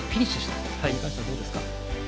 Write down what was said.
これに関してはどうですか？